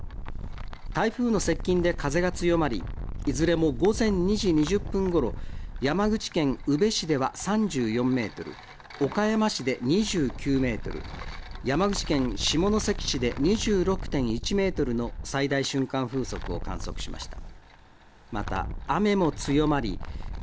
台風の接近で風が強まりいずれも午前２時２０分ごろ、山口県宇部市では３４メートル、岡山市で２９メートル、山口県下関市で２６．１メートルの最大瞬間風速を観測しました。